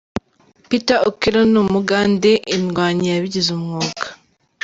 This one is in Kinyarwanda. Peter Okello ni umugande, indwanyi yabigize umwuga.